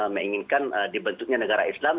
menginginkan dibentuknya negara islam